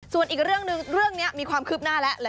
ส่วนอีกเรื่องนี้มีความคืบหน้าแล้ว